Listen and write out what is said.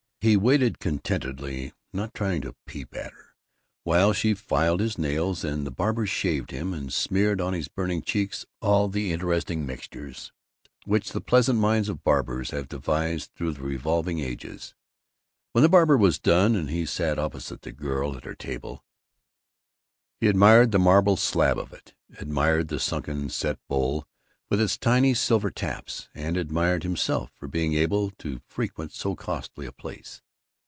He waited contentedly, not trying to peep at her, while she filed his nails and the barber shaved him and smeared on his burning cheeks all the interesting mixtures which the pleasant minds of barbers have devised through the revolving ages. When the barber was done and he sat opposite the girl at her table, he admired the marble slab of it, admired the sunken set bowl with its tiny silver taps, and admired himself for being able to frequent so costly a place.